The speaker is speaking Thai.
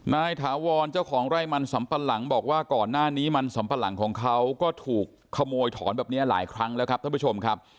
ถาวรเจ้าของไร่มันสำปะหลังบอกว่าก่อนหน้านี้มันสำปะหลังของเขาก็ถูกขโมยถอนแบบนี้หลายครั้งแล้วครับท่านผู้ชมครับ